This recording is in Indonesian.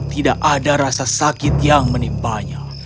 tidak ada rasa sakit yang menimpa dia